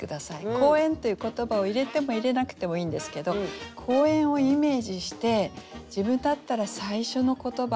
「公園」という言葉を入れても入れなくてもいいんですけど公園をイメージして自分だったら最初の言葉